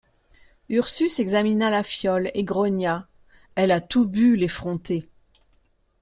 Ursus examina la fiole, et grogna: — Elle a tout bu, l’effrontée!